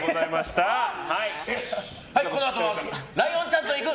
このあとはライオンちゃんと行く！